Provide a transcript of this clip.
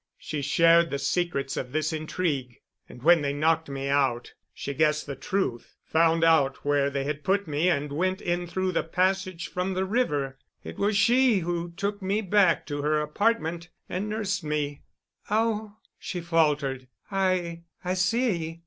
She shared the secrets of this intrigue. And when they knocked me out, she guessed the truth, found out where they had put me and went in through the passage from the river. It was she who took me back to her apartment and nursed me." "Oh," she faltered. "I—I see.